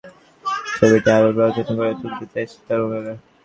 Selfie দিয়ে তার মনের ভুল ছবিটিকে আরও প্রাণবন্ত করে তুলতে চাইছে তরুণরা।